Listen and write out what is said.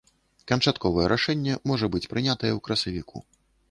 Канчатковае рашэнне можа быць прынятае ў красавіку.